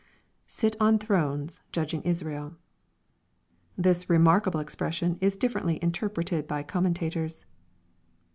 [Sit on thrones judging. ..Israel,] This remarkable expression is difierently interpreted by commentators.